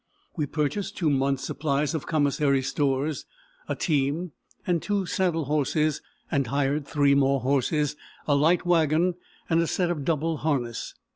We purchased two months' supplies of commissary stores, a team, and two saddle horses, and hired three more horses, a light wagon, and a set of double harness.